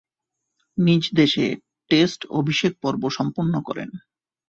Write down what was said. নিজ দেশে টেস্টে অভিষেক পর্ব সম্পন্ন করেন।